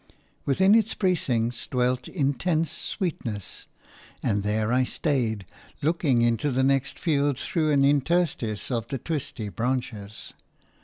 Within its precincts dwelt intense sweetness; and there I stayed, looking into the next field through an interstice of the twisty branches.